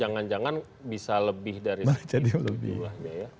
jangan jangan bisa lebih dari dua belas jahat